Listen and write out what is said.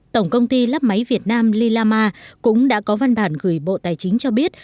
tổng công ty lắp máy việt nam lilama cũng đã có văn bản gửi bộ tài chính cho biết